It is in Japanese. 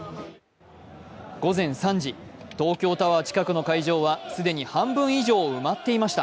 午前３時、東京タワー近くの会場は既に半分以上、埋まっていました。